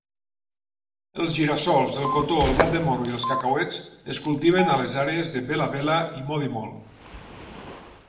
Els gira-sols, el cotó, el blat de moro i els cacauets es cultiven a les àrees de Bela-Bela i Modimolle.